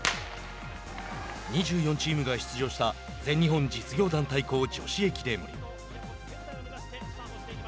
２４チームが出場した全日本実業団対抗女子駅伝。